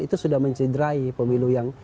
itu sudah mencederai pemilu yang